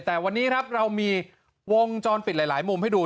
แต่วันนี้ครับเรามีวงจรปิดหลายมุมให้ดู